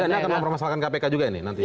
jadi enak kan mempermasalahkan kpk juga ini nanti